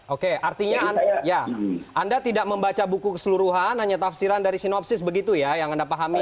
oke artinya anda tidak membaca buku keseluruhan hanya tafsiran dari sinopsis begitu ya yang anda pahami